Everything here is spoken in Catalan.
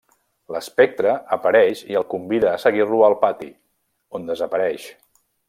L'espectre apareix i el convida a seguir-lo al pati, on desapareix.